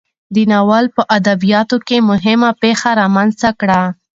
دې ناول په ادبیاتو کې مهمه پیښه رامنځته کړه.